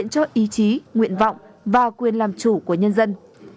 cho ý chí nguyện vọng và quyền làm chủ của nhân dân